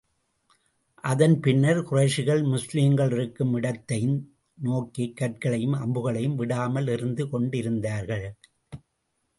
அதன் பின்னர், குறைஷிகள் முஸ்லிம்கள் இருக்கும் இடத்தைந் நோக்கிக் கற்களையும் அம்புகளையும் விடாமல் எறிந்து கொண்டிருந்தார்கள்.